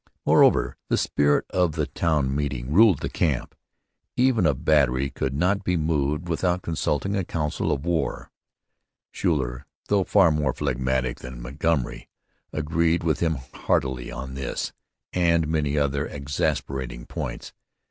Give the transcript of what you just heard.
Moreover, the spirit of the 'town meeting' ruled the camp. Even a battery could not be moved without consulting a council of war. Schuyler, though far more phlegmatic than Montgomery, agreed with him heartily about this and many other exasperating points.